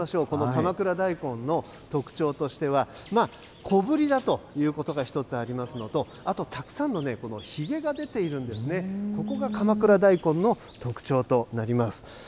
この鎌倉大根の特徴としては、小ぶりだということが１つありますのと、あとたくさんのひげが出ているんですね、ここが鎌倉大根の特徴となります。